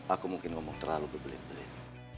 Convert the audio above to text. aku mungkin ngomong terlalu berbelit belit